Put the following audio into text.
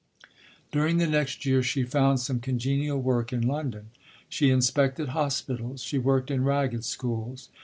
During the next year she found some congenial work in London. She inspected hospitals. She worked in Ragged Schools.